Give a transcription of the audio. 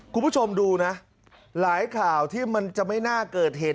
คุณผู้ชมดูนะหลายข่าวที่มันจะไม่น่าเกิดเหตุ